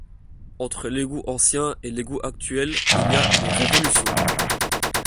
Entre l'égout ancien et l'égout actuel, il y a une révolution.